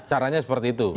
caranya seperti itu